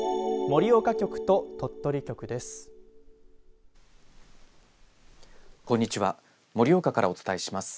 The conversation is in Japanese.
盛岡局と鳥取局です。